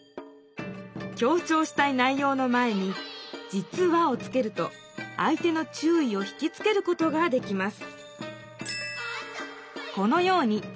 強ちょうしたい内ようの前に「実は」をつけると相手の注意を引きつけることができます